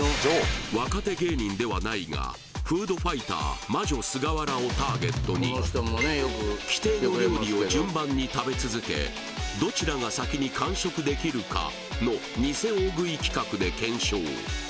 若手芸人ではないがフードファイター魔女菅原をターゲットに規定の料理を順番に食べ続けどちらが先に完食できるかのニセ大食い企画で検証